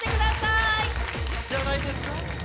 いいんじゃないですか？